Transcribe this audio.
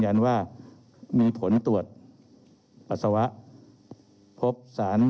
เรามีการปิดบันทึกจับกลุ่มเขาหรือหลังเกิดเหตุแล้วเนี่ย